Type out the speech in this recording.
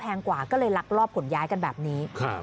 ลักลอบผลย้ายกันแบบนี้